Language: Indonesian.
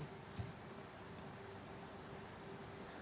black box ini adalah rekam data operasional dan berkualitas